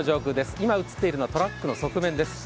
今、映っているのはトラックの側面です。